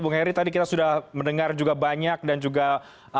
bung heri tadi kita sudah mendengar juga banyak dan juga apa yang disampaikan oleh bung heri